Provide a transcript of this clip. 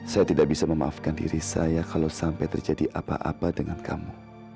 saya tidak bisa memaafkan diri saya kalau sampai terjadi apa apa dengan kamu